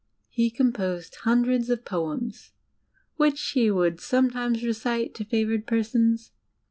He composed hundreds of poems, which he would somedmes recite to favoured persons.